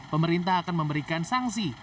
pemerintah akan memberikan sanksi